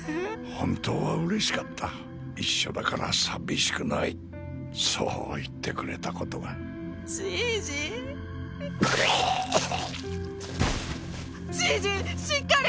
本当は嬉しかった一緒だから寂しくないそう言ってくれたことがじいじじいじしっかり！